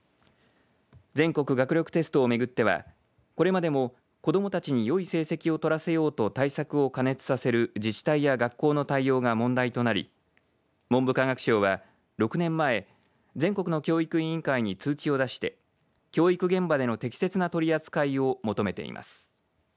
全国学力テストを巡ってはこれまでも子どもたちによい成績を取らせようと対策を過熱させる自治体や学校の対応が問題となり文部科学省は、６年前全国の教育委員会に通知を出して教育現場での適切な取り扱いを求めています。